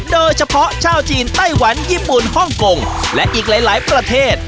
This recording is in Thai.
โดยเฉพาะชาวจีนไต้หวันญี่ปุ่นฮ่องกงและอีกหลายประเทศ